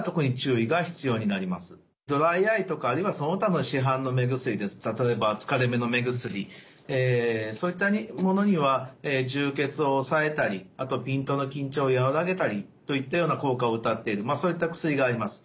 ドライアイとかあるいはその他の市販の目薬ですと例えば疲れ目の目薬そういったものには充血を抑えたりピントの緊張をやわらげたりといったような効果をうたっているそういった薬があります。